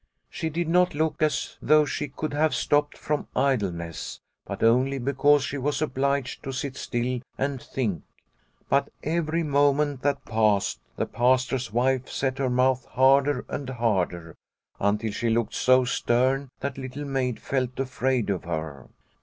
She did not look as though she could have The Spinning wheels 25 stopped from idleness, but only because she was obliged to sit still and think. But every moment that passed the Pastor's wife set her mouth harder and harder, until she looked so stern that Little Maid felt afraid of her.